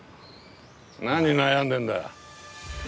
何悩んでんだ。